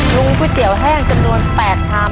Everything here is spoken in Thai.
ลุงก๋วยเตี๋ยวแห้งจำนวน๘ชาม